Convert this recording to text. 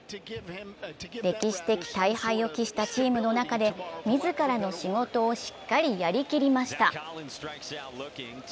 歴史的大敗を喫したチームの中で自らの仕事をしっかりやり切りました。